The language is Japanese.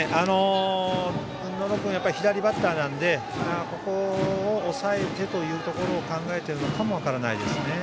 野呂君は左バッターなのでここを抑えてというところを考えているかも分からないですね。